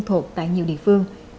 thuộc tại nhiều địa phương